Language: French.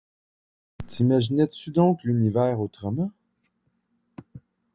T’imaginais-tu donc l’univers autrement ?